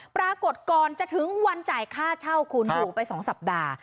ปรากฏก่อนจะถึงวันจ่ายค่าเช่าคุณอยู่ไป๒สัปดาห์